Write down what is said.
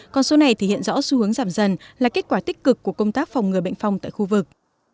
còn số này thể hiện rõ xu hướng giảm dần là kết quả tích cực của công tác phòng ngừa bệnh phong tại khu vực